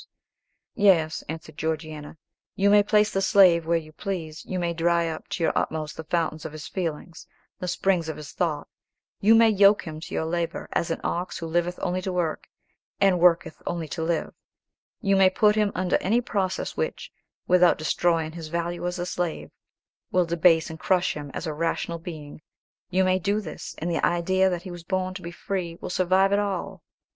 "Yes, yes," answered Georgiana: "you may place the slave where you please; you may dry up to your utmost the fountains of his feelings, the springs of his thought; you may yoke him to your labour, as an ox which liveth only to work, and worketh only to live; you may put him under any process which, without destroying his value as a slave, will debase and crush him as a rational being; you may do this, and the idea that he was born to be free will survive it all.